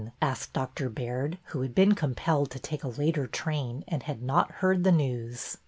" asked Dr. Baird, who had been compelled to take a later train and had not heard the news.